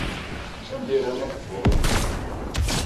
Sanda ay rran akebbuḍ-inu?